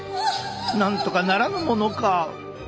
なんとかならぬものか？